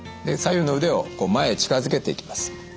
左右の腕を前へ近づけていきます。